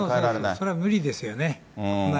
それは無理ですよね。